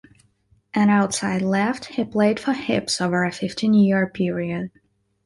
An outside-left, he played for Hibs over a fifteen-year period.